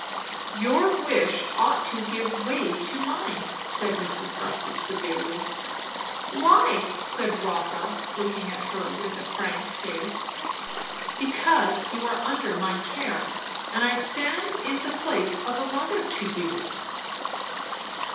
"Your wish ought to give way to mine," said Mrs. Busby severely. "Why?" said Rotha, looking at her with a frank face. "Because you are under my care, and I stand in the place of a mother to you."